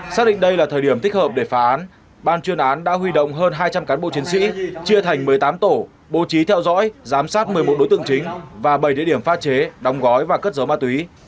xác định đây là thời điểm thích hợp để phá án ban chuyên án đã huy động hơn hai trăm linh cán bộ chiến sĩ chia thành một mươi tám tổ bố trí theo dõi giám sát một mươi một đối tượng chính và bảy địa điểm pha chế đóng gói và cất dấu ma túy